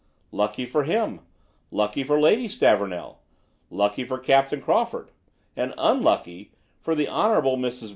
"Lucky for him; lucky for Lady Stavornell; lucky for Captain Crawford; and unlucky for the Hon. Mrs.